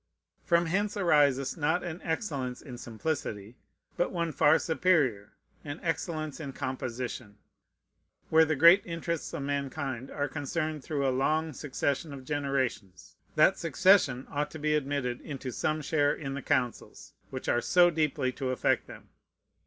From hence arises, not an excellence in simplicity, but one far superior, an excellence in composition. Where the great interests of mankind are concerned through a long succession of generations, that succession ought to be admitted into some share in the councils which are so deeply to affect them.